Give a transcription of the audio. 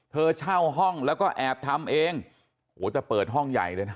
เช่าห้องแล้วก็แอบทำเองโหแต่เปิดห้องใหญ่เลยนะ